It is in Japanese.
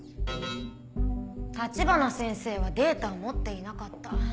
立花先生はデータを持っていなかった。